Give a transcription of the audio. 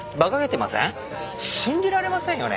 信じられませんよね。